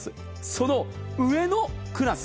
その上のクラス。